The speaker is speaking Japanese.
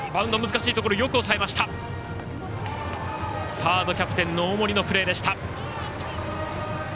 サード、キャプテンの大森のプレーでした。